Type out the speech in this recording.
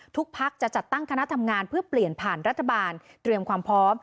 พักจะจัดตั้งคณะทำงานเพื่อเปลี่ยนผ่านรัฐบาลเตรียมความพร้อม